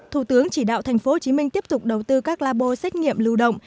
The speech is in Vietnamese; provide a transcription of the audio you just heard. thủ tướng chỉ đạo thành phố hồ chí minh tiếp tục đầu tư các labo xét nghiệm lưu động